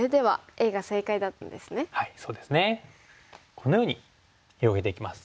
このように広げていきます。